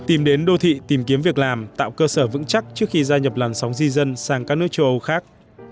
tìm đến đô thị tìm kiếm việc làm tạo cơ sở vững chắc trước khi gia nhập làn sóng di dân sang các nước châu âu khác